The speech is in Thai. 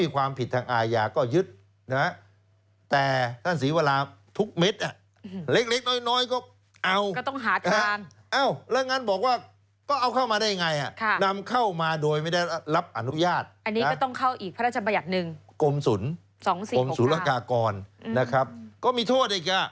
ความผิดทางอายะก็ยึด